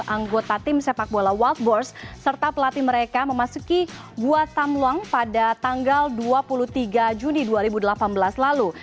dua belas anggota tim sepak bola wild boars serta pelatih mereka memasuki gua tam luang pada tanggal dua puluh tiga juni dua ribu delapan belas lalu